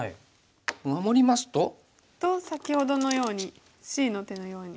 守りますと。と先ほどのようにＣの手のように。